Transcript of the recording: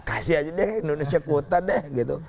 kasih aja deh indonesia kuota deh gitu